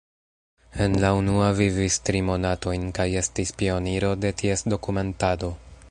En la unua vivis tri monatojn kaj estis pioniro de ties dokumentado.